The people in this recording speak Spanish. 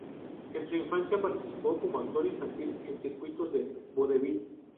En su infancia participó como actor infantil en circuitos de vodevil.